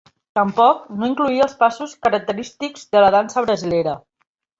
Tampoc no incloïa els passos característics de la dansa brasilera.